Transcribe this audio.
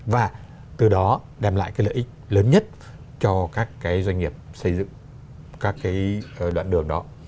và từ đó đem lại cái lợi ích lớn nhất cho các cái doanh nghiệp xây dựng các cái đoạn đường đó